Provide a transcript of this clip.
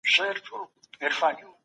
هغه د خپل هېواد دفاع کړې وه.